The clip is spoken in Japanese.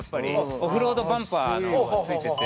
オフロードバンパーが付いてて。